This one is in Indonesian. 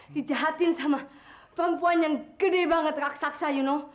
dijahatin sama perempuan yang gede banget raksasa you know